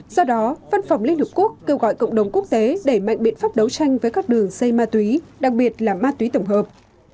do đó văn phòng liên hợp quốc kêu gọi cộng đồng quốc tế đẩy mạnh biện pháp đấu tranh với các đường dây ma túy đặc biệt là ma túy tổng hợp